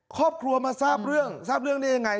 ครอบครัวมาทราบเรื่องทราบเรื่องได้ยังไง